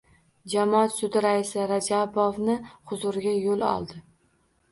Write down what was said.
Jamoat sudi raisi Rajabovni huzuriga yo‘l oldi.